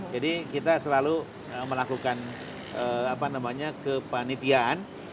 jadi kita selalu melakukan kepanitiaan